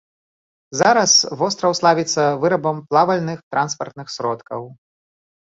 Зараз востраў славіцца вырабам плавальных транспартных сродкаў.